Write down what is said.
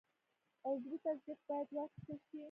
عضوي تصدیق باید واخیستل شي.